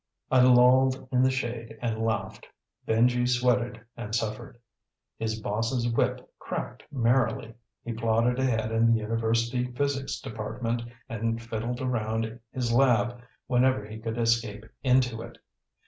I lolled in the shade and laughed; Benji sweated and suffered. His boss's whip cracked merrily. He plodded ahead in the University Physics Department and fiddled around his lab whenever he could escape into it.